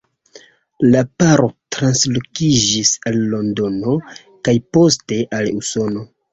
La paro transloĝiĝis al Londono kaj poste al Usono.